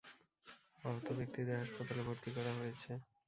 আহত ব্যক্তিদের হাসপাতালে ভর্তি করা হয়েছে।